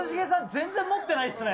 全然持ってないですね。